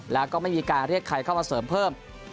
แล้วก็ไม่มีการเรียกใครเข้ามาเสริมเพิ่ม